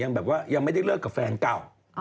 ยังไม่ได้เลิกกับแฟนเก่า